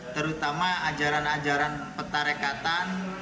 terutama ajaran ajaran petarekatan